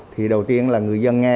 thì đầu tiên là người dân nghe